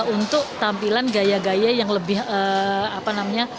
untuk tampilan gaya gaya yang lebih apa namanya